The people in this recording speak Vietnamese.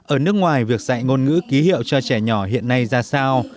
ở nước ngoài việc dạy ngôn ngữ ký hiệu cho trẻ nhỏ hiện nay ra sao